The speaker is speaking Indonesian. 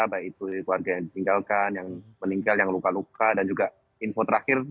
baik itu keluarga yang ditinggalkan yang meninggal yang luka luka dan juga info terakhir